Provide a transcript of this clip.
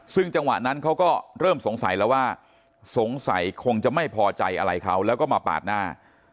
ซึ่งจังหวะนั้นเขาก็เริ่มสงสัยแล้วว่าสงสัยคงจะไม่พอใจอะไรเขาแล้วก็มาปาดหน้า